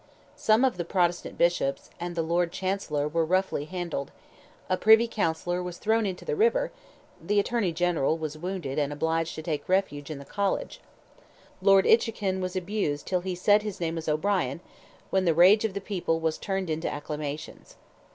Some of the Protestant bishops, and the Lord Chancellor were roughly handled; a privy counsellor was thrown into the river; the Attorney General was wounded and obliged to take refuge in the college; Lord Inchiquin was abused till he said his name was O'Brien, when the rage of the people "was turned into acclamations."